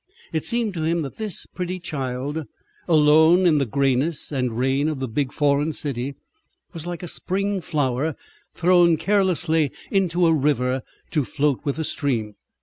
It seemed to him that this pretty child, alone in the greyness and rain of the big foreign city, was like a spring flower thrown carelessly into a river to float with the stream.